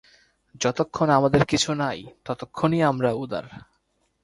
যতক্ষণ আমাদের কিছু নাই, ততক্ষণই আমরা উদার।